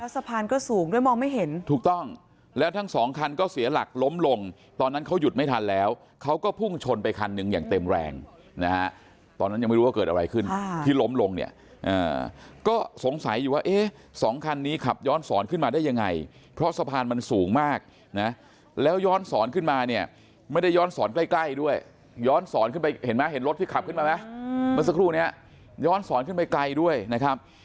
สะพานก็สูงด้วยมองไม่เห็นถูกต้องแล้วทั้งสองคันก็เสียหลักล้มลงตอนนั้นเขาหยุดไม่ทันแล้วเขาก็พุ่งชนไปคันหนึ่งอย่างเต็มแรงนะตอนนั้นยังไม่รู้ว่าเกิดอะไรขึ้นที่ล้มลงเนี่ยก็สงสัยอยู่ว่าสองคันนี้ขับย้อนสอนขึ้นมาได้ยังไงเพราะสะพานมันสูงมากนะแล้วย้อนสอนขึ้นมาเนี่ยไม่ได้ย้อนสอนใกล้ด้วยย